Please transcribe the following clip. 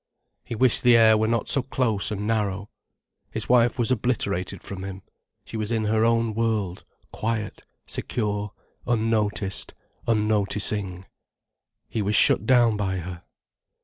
He wished the air were not so close and narrow. His wife was obliterated from him, she was in her own world, quiet, secure, unnoticed, unnoticing. He was shut down by her.